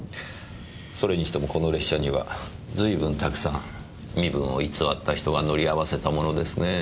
それにしてもこの列車にはずいぶんたくさん身分を偽った人が乗り合わせたものですねぇ。